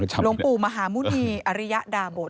หลวงปู่มหาหมุณีอริยดาบท